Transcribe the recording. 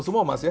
semua mas ya